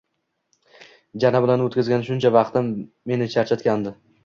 Jana bilan o‘tkazgan shuncha vaqtim meni charchatgandi